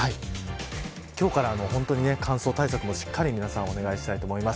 今日から本当に乾燥対策もしっかり皆さんお願いしたいと思います。